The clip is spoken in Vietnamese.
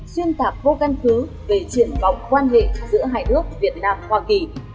xuyên tạp vô căn cứ về triển vọng quan hệ giữa hải nước việt nam hoa kỳ